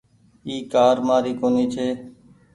اي ڪآر مآري ڪونيٚ ڇي۔